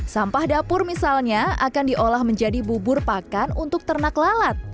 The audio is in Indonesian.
sampah dapur misalnya akan diolah menjadi bubur pakan untuk ternak lalat